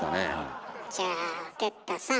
じゃあ哲太さん。